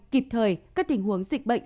kịp thời các tình huống dịch bệnh